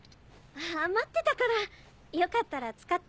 余ってたからよかったら使って。